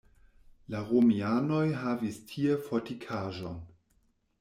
La romianoj havis tie fortikaĵon.